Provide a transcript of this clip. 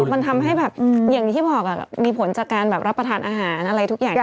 มันทำให้แบบอย่างที่บอกมีผลจากการแบบรับประทานอาหารอะไรทุกอย่าง